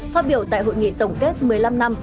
phát biểu tại hội nghị tổng kết một mươi năm năm